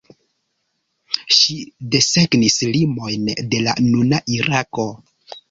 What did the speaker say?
Ŝi desegnis limojn de la nuna Irako.